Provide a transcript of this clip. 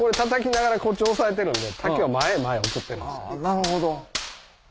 なるほど。